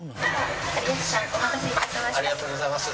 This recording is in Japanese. ありがとうございます。